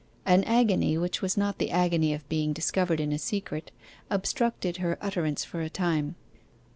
An agony, which was not the agony of being discovered in a secret, obstructed her utterance for a time.